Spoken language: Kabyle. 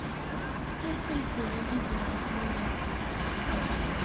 Maɣef ay yura Yidir ɣef waya?